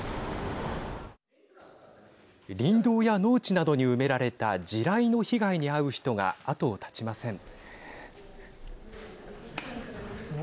林道や農地などに埋められた地雷の被害に遭う人が後を絶ちません。